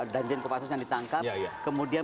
dungeon kopassos yang ditangkap kemudian